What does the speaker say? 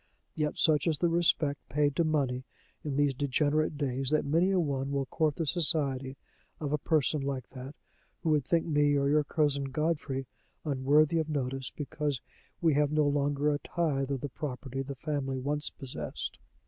Yet such is the respect paid to money in these degenerate days that many a one will court the society of a person like that, who would think me or your cousin Godfrey unworthy of notice, because we have no longer a tithe of the property the family once possessed."